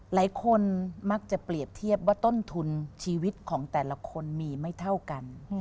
หลายคนมักจะเปรียบเทียบว่าต้นทุนชีวิตของแต่ละคนมีไม่เท่ากัน